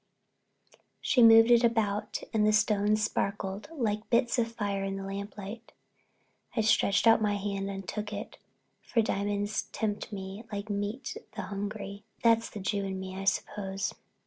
She moved it about and the stones sparkled like bits of fire in the lamplight. I stretched out my hand and took it, for diamonds tempt me like meat the hungry—that's the Jew in me, I suppose.